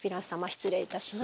失礼いたします。